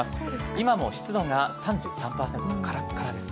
今も湿度が３３％とカラッカラです。